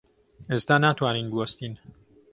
ئێستا ناتوانین بوەستین.